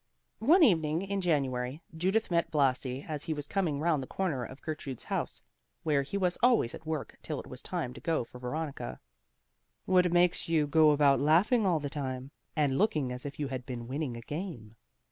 One evening in January, Judith met Blasi as he was coming round the corner of Gertrude's house, where he was always at work till it was time to go for Veronica. "What makes you go about laughing all the time, and looking as if you had been winning a game?"